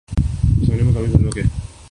کے سامنے مقامی فلموں کے